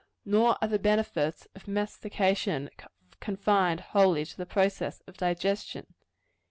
Nor are the benefits of mastication confined wholly to the process of digestion.